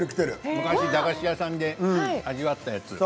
昔、駄菓子屋さんで味わったやつ。